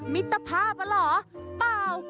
มิตรภาพอ่ะเหรอเปล่า